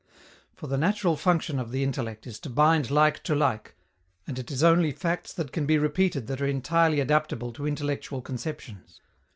For the natural function of the intellect is to bind like to like, and it is only facts that can be repeated that are entirely adaptable to intellectual conceptions.